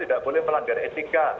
tidak boleh melanggar etika